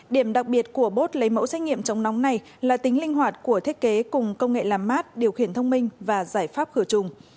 điểm đặc biệt của bốt lấy mẫu xét nghiệm chống nóng này là tính linh hoạt của thiết kế cùng công nghệ làm mát điều khiển thông minh và giải pháp khử trùng